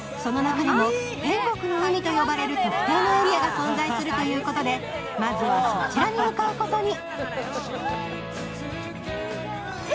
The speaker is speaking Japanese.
その中でも天国の海と呼ばれる特定のエリアが存在するということでまずはそちらに向かうことに。